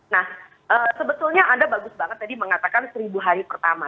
nah sebetulnya anda bagus banget tadi mengatakan seribu hari pertama